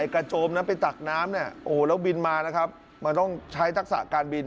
ผู้ชมครับคุณผู้ชมครับคุณผู้ชมครับคุณ